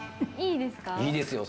いいですよ